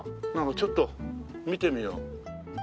ちょっと見てみよう。